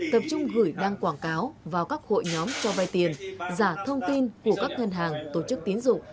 tập trung gửi đăng quảng cáo vào các hội nhóm cho vai tiền giả thông tin của các ngân hàng tổ chức tín dụng